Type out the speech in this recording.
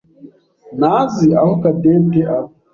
ntazi aho Cadette aba.